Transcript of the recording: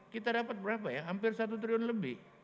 kita dapat berapa ya hampir satu triliun lebih